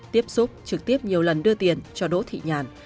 tiếp xúc trực tiếp nhiều lần đưa tiền cho đỗ thị nhàn